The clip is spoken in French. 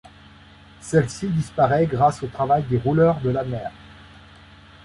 Celle-ci disparaît grâce au travail des rouleurs de la mer.